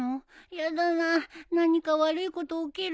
やだな何か悪いこと起きるの？